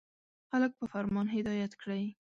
• خلک په فرمان هدایت کړئ.